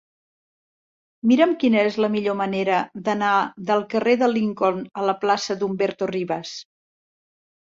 Mira'm quina és la millor manera d'anar del carrer de Lincoln a la plaça d'Humberto Rivas.